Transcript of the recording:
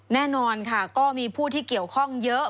แน่นอนค่ะก็มีผู้ที่เกี่ยวข้องเยอะ